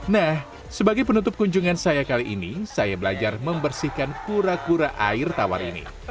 nah sebagai penutup kunjungan saya kali ini saya belajar membersihkan kura kura air tawar ini